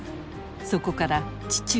そこから地中海